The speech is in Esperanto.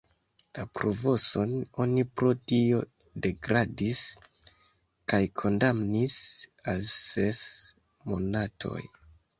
La provoson oni pro tio degradis kaj kondamnis al ses monatoj.